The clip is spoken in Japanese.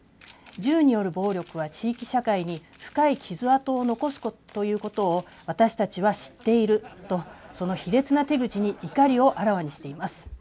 銃による暴力は地域社会に深い傷跡を残しということ私たちは知っているとその卑劣な手口に怒りをあらわにしています。